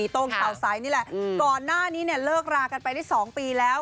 ตรงข่าวไซส์นี่แหละก่อนหน้านี้เนี่ยเลิกรากันไปได้๒ปีแล้ว